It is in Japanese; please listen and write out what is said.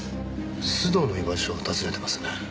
須藤の居場所を尋ねてますね。